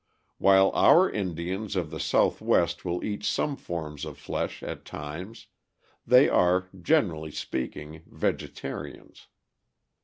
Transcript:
While our Indians of the Southwest will eat some forms of flesh at times, they are, generally speaking, vegetarians.